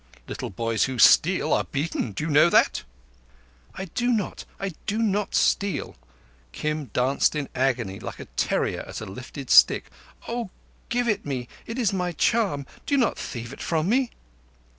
Little boys who steal are beaten. You know that?" "I do not—I did not steal." Kim danced in agony like a terrier at a lifted stick. "Oh, give it me. It is my charm. Do not thieve it from me."